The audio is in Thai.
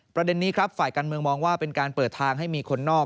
ประเด็นนี้ครับฝ่ายการเมืองมองว่าเป็นการเปิดทางให้มีคนนอก